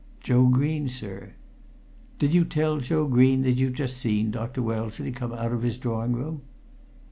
"Joe Green, sir." "Did you tell Joe Green that you'd just seen Dr. Wellesley come out of his drawing room?"